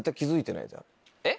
えっ？